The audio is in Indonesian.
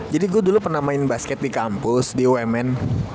jadi gue dulu pernah main basket di kampus di umn